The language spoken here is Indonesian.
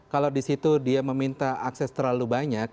kalau di situ dia meminta akses terlalu banyak